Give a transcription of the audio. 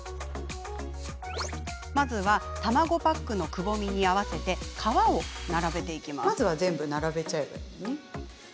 まずは卵パックのくぼみに合わせて皮を並べます。